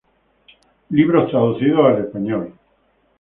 Libros traducidos al español